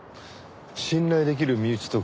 信頼できる身内とか。